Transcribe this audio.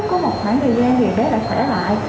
có một khoảng thời gian gì bé đã khỏe lại